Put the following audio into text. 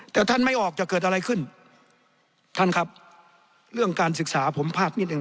แต่ท่านไม่ออกจะเกิดอะไรขึ้นท่านครับเรื่องการศึกษาผมพลาดนิดหนึ่ง